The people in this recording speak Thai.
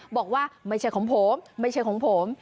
บอกว่าไม่ใช่ของผมไม่ใช่ของผม